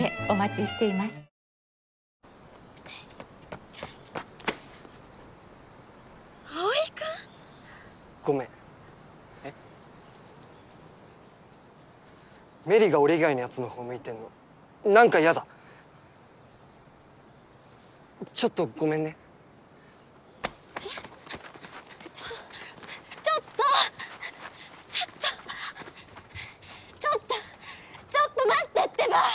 ちょちょっとちょっとちょっとちょっと待ってってば！